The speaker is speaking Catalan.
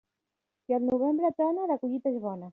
Si al novembre trona, la collita és bona.